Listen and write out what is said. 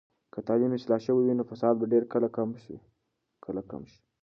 که تعلیم اصلاح شوي وي، نو فساد به ډیر کله کم شي.